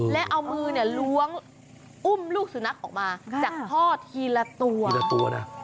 และเอามือล้วงอุ้มลูกสุนัขออกมาจากพ่อทีละตัว